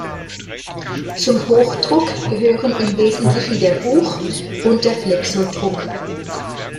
Zum Hochdruck gehören im Wesentlichen der Buch- und der Flexodruck.